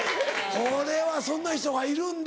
これはそんな人がいるんだ。